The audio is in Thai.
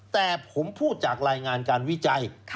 แต่ผมพูดจากรายงานการวิจัย